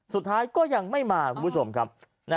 สุดท้ายก็ยังไม่มาคุณผู้ชมครับ